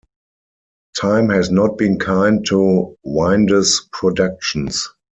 Time has not been kind to Winde's productions.